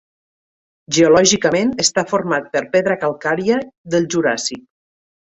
Geològicament està format per pedra calcària del Juràssic.